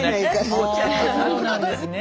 そうなんですね。